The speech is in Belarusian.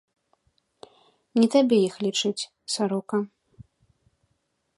Не табе іх лічыць, сарока!